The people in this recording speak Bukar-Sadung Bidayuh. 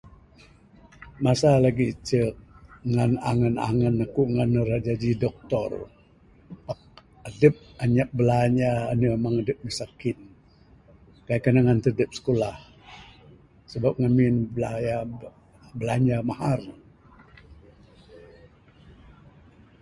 Masa lagi' icuk, ngan angan-angan akuk ngan rak jadi doktor. Adup anyap bilanja. Andu amang adup misakin'. Kaik kanan ngatud adup sikulah sebab ngamin, bilanja mahar.